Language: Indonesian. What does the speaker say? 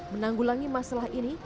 menanggulangi masalah ini